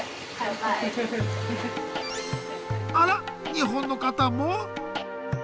あら日本の方も？